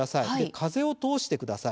風を通してください。